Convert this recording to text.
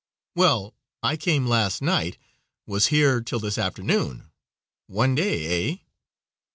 "Well, I came last night, was here till this afternoon; one day, eh?"